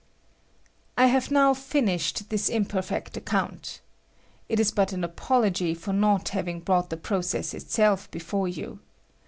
I hove now finished this imperfect account. It is but an apology for not Laving brought the process itself before you.